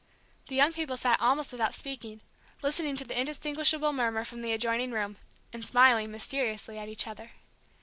The young people sat almost without speaking, listening to the indistinguishable murmur from the adjoining room, and smiling mysteriously at each other.